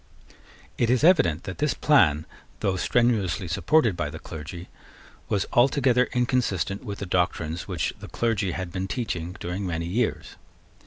It is evident that this plan, though strenuously supported by the clergy, was altogether inconsistent with the doctrines which the clergy had been teaching during many years.